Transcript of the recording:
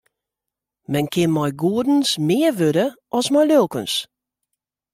Men kin mei goedens mear wurde as mei lulkens.